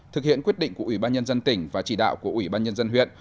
thực hiện quyết định của ubnd tỉnh và chỉ đạo của ubnd huyện